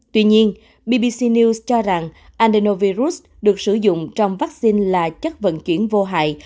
tuy nhiên bbc news cho rằng andenovirus được sử dụng trong vaccine là chất vận chuyển vô hại